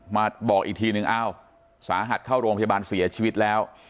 มาบอกอีกทีนึงอ้าวสาหัสเข้าโรงพยาบาลเสียชีวิตแล้ว